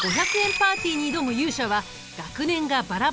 パーティーに挑む勇者は学年がバラバラなこの４人。